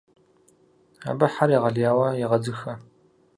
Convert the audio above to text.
Абы хьэр егъэлеяуэ егъэдзыхэ.